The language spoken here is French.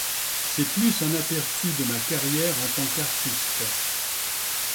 C'est plus un aperçu de ma carrière en tant qu'artiste.